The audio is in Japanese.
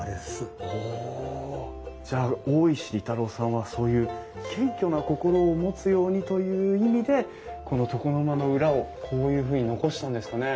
じゃあ大石利太郎さんはそういう謙虚な心を持つようにという意味でこの床の間の裏をこういうふうに残したんですかね？